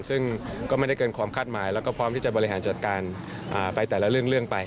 ซึ่งก็ไม่ได้เกินความคาดหมายแล้วก็พร้อมที่จะบริหารจัดการไปแต่ละเรื่องไป